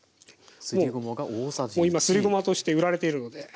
もう今すりごまとして売られているので。